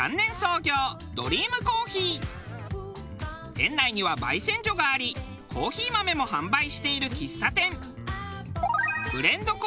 店内には焙煎所がありコーヒー豆も販売している喫茶店。